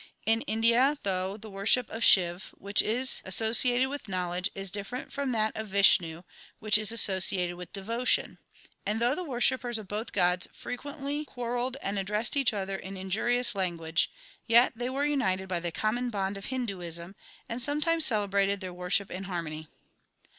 In India, though the worship of Shiv, which is associated with knowledge, is different from that of Vishnu, which is associated with devotion, and though the worshippers of both gods frequently quar relled and addressed each other in injurious language, yet they were united by the common bond of Hinduism, and sometimes celebrated their worship in harmony.